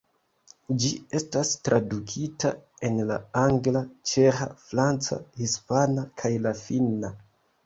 Ĝi estas tradukita en la angla, ĉeĥa, franca, hispana, kaj la finna.